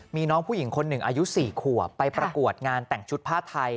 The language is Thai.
มีน้องผู้หญิงคนหนึ่งอายุ๔ขวบไปประกวดงานแต่งชุดผ้าไทย